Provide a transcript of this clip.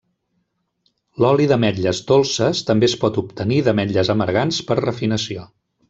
L’oli d’ametlles dolces també es pot obtenir d’ametlles amargants per refinació.